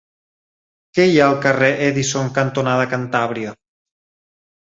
Què hi ha al carrer Edison cantonada Cantàbria?